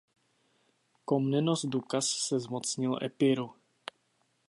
Komnenos Dukas se zmocnil Epiru.